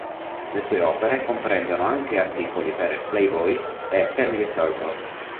Le sue opere comprendono anche articoli per "Playboy" e "Family Circle".